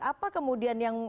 apa kemudian yang